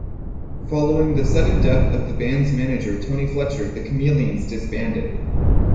Following the sudden death of the band's manager Tony Fletcher, the Chameleons disbanded.